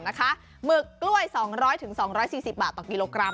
หมึกกล้วย๒๐๐๒๔๐บาทต่อกิโลกรัม